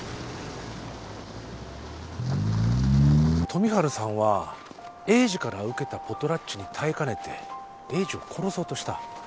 富治さんは栄治から受けたポトラッチに耐えかねて栄治を殺そうとした。